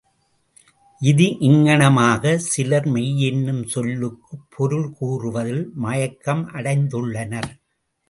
இது இங்ஙனமாக, சிலர் மெய் என்னும் சொல்லுக்குப் பொருள் கூறுவதில் மயக்கம் அடைந்துள்ளனர்.